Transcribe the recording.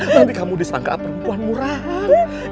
tapi kamu disangka perempuan murahan